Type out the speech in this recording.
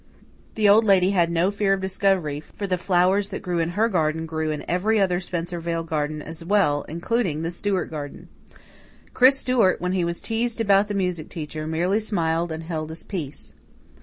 The Old Lady had no fear of discovery, for the flowers that grew in her garden grew in every other Spencervale garden as well, including the Stewart garden. Chris Stewart, when he was teased about the music teacher, merely smiled and held his peace.